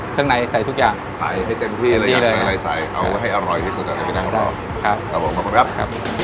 ถึงไหนใส่ทุกอย่างจ่ายให้เต็มที่เลยสาโยค